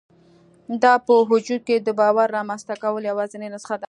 دا په وجود کې د باور رامنځته کولو یوازېنۍ نسخه ده